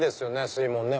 水門ね！